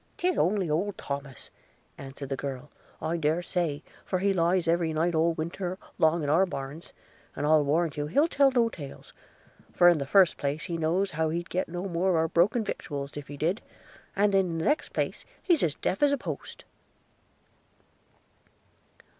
''Tis only old Thomas,' answered the girl, 'I dare say; for he lies every night all winter long in our barns; and I'll warrant you he'll tell no tales – for in the first place he knows how he'd get no more of our broken victuals if he did; and in the next place he's as deaf as a post.'